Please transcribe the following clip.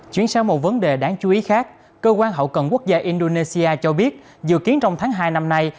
chuyển sang một vấn đề đáng chú ý khác cơ quan hậu cần quốc gia indonesia cho biết dự kiến trong tháng hai năm nay